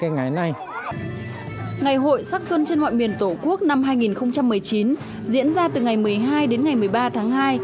ngày hội sắc xuân trên mọi miền tổ quốc năm hai nghìn một mươi chín diễn ra từ ngày một mươi hai đến ngày một mươi ba tháng hai